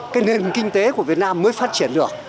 cái nền kinh tế của việt nam mới phát triển được